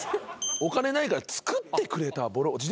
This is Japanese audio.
「お金ないから作ってくれた」